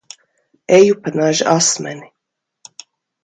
Eju pa naža asmeni.